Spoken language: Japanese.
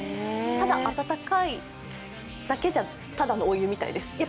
ただ温かいだけじゃただのお湯みたいです。